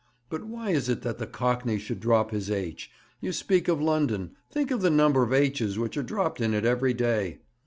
But why is it that the Cockney should drop his H? You speak of London. Think of the number of H's which are dropped in it every day!'